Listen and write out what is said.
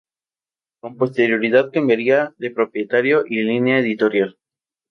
Con posterioridad cambiaría de propietario y línea editorial.